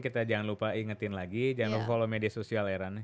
kita jangan lupa ingetin lagi jangan lupa follow media sosial heran